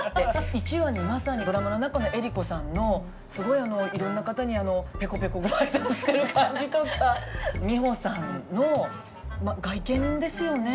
１話にまさにドラマの中の江里子さんのすごいいろんな方にペコペコご挨拶してる感じとか美穂さんの外見ですよね。